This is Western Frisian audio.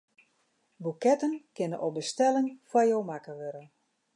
Boeketten kinne op bestelling foar jo makke wurde.